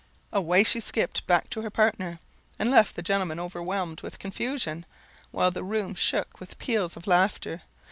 Away she skipped back to her partner, and left the gentleman overwhelmed with confusion, while the room shook with peals of laughter.